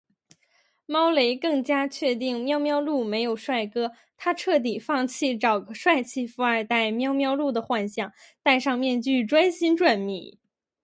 猫雷更加确定喵喵露没有帅哥，她彻底放弃找个帅气富二代喵喵露的幻想，戴上面具专心赚米